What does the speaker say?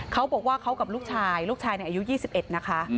เขาบอกว่าเขากับลูกชายลูกชายอายุ๒๑นะคะ